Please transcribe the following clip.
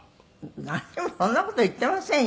「何もそんな事言っていませんよ」